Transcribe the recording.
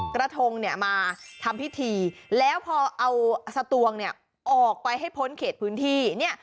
กระทงเนี่ยมาทำพิธีแล้วพอเอาสตวงเนี่ยออกไปให้พ้นเขตพื้นที่เนี่ย